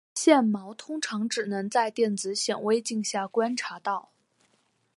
线毛通常只能在电子显微镜下观察到。